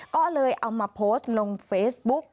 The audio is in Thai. ก็เลยเอามาโพสต์ลงเฟซบุ๊ก